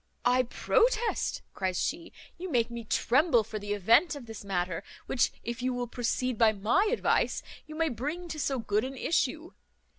"I protest," cries she, "you make me tremble for the event of this matter, which, if you will proceed by my advice, you may bring to so good an issue.